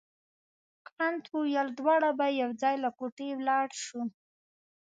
کانت وویل دواړه به یو ځای له کوټې ولاړ شو.